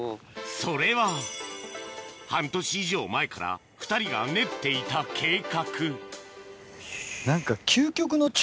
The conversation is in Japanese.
それは半年以上前から２人が練っていた計画何か。